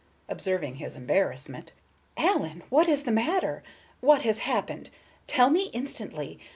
Observing his embarrassment, "Allen, what is the matter? What has happened? Tell me instantly!